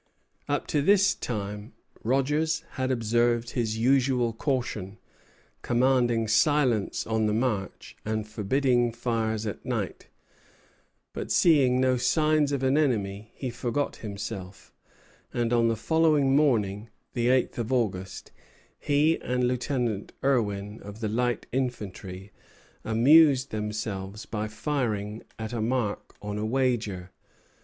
Up to this time Rogers had observed his usual caution, commanding silence on the march, and forbidding fires at night; but, seeing no signs of an enemy, he forgot himself; and on the following morning, the eighth of August, he and Lieutenant Irwin, of the light infantry, amused themselves by firing at a mark on a wager.